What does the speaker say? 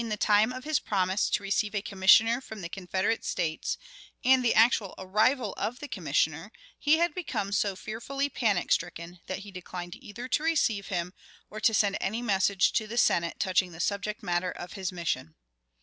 In the very few days which had elapsed between the time of his promise to receive a Commissioner from the Confederate States and the actual arrival of the Commissioner, he had become so fearfully panic stricken, that he declined either to receive him or to send any message to the Senate touching the subject matter of his mission.